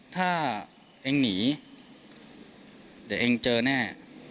ถ้าเองหนีเดี๋ยวเองเจอแน่